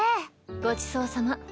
ごちそうさま。